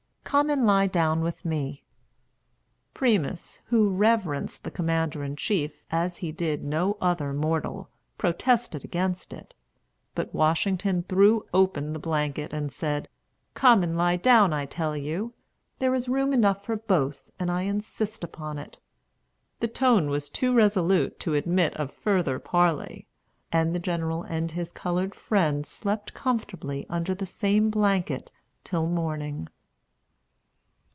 Come and lie down with me." Primus, who reverenced the Commander in Chief as he did no other mortal, protested against it. But Washington threw open the blanket, and said, "Come and lie down, I tell you! There is room enough for both, and I insist upon it." The tone was too resolute to admit of further parley, and the General and his colored friend slept comfortably under the same blanket till morning.